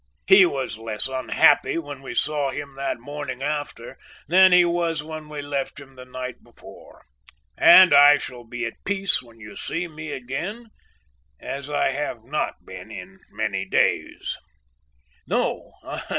He was less unhappy when we saw him that morning after than he was when we left him the night before, and I shall be at peace when you see me again, as I have not been in many days. "No!